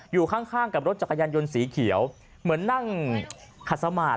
อยู่ข้างกับรถจักรยานยนต์สีเขียวเหมือนนั่งขัดสมาธิ